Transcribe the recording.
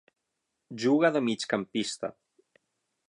Juga de migcampista.